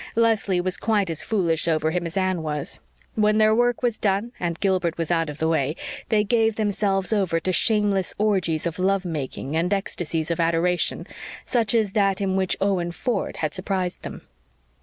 Leslie was quite as foolish over him as Anne was. When their work was done and Gilbert was out of the way, they gave themselves over to shameless orgies of love making and ecstasies of adoration, such as that in which Owen Ford had surprised them.